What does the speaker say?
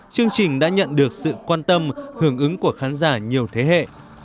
chương trình đã nhận được sự quan tâm hưởng ứng của khán giả nhiều thế hệ